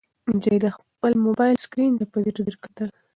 نجلۍ د خپل موبایل سکرین ته په ځیر ځیر کتل.